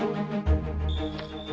tentara itu tidak baik